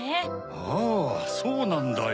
ああそうなんだよ。